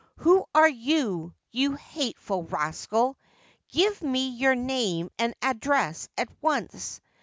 ' Who are you, you hateful rascal ? Give me your name and address at once